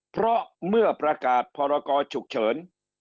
เพราะเมื่อประกาศพรกรฉุกเฉิน